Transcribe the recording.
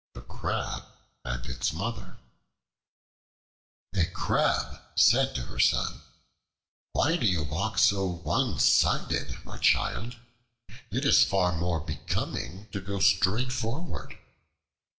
The Crab and Its Mother A CRAB said to her son, "Why do you walk so one sided, my child? It is far more becoming to go straight forward."